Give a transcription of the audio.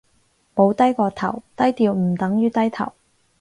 冇低過頭，低調唔等於低頭